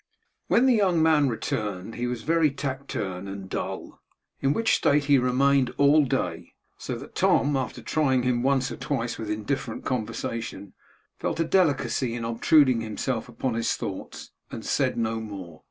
When the young man returned, he was very taciturn and dull, in which state he remained all day; so that Tom, after trying him once or twice with indifferent conversation, felt a delicacy in obtruding himself upon his thoughts, and said no more.